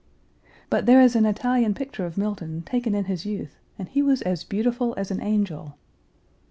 "But there is an Italian picture of Milton, taken in his youth, and he was as beautiful as an angel."